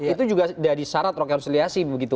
itu juga dari syarat rekonsiliasi begitu